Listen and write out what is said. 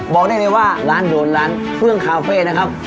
บอกได้เลยว่าร้านโดนร้านเฟื่องคาเฟ่นะครับ